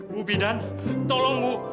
bu bidan tolong bu